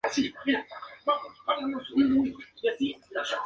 Existen diversos criterios para clasificar los tipos de caracteres chinos.